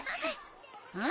うん？